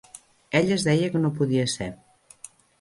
Ella es deia que no podia ésser.